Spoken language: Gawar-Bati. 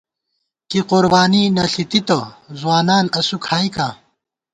کی قربانی نہ ݪِی تِتہ ، ځوانان اسُو کھائیکاں